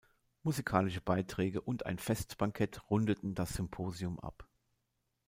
Musikalische Beiträge und ein Festbankett rundeten das Symposion ab.